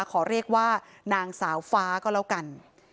ขอเรียกว่านางสาวฟ้าก็แล้วกัน